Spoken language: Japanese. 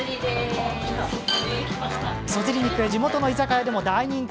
そずり肉は地元の居酒屋でも大人気。